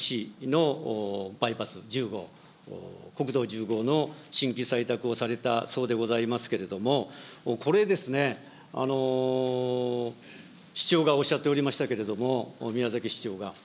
宮崎市のバイパス１０号、国道１０号の新規採択をされたそうでございますけれども、これですね、市長がおっしゃっておりましたけれども、宮崎市長が。